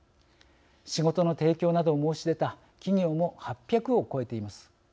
仕事の提供などを申し出た企業も８００を超えています。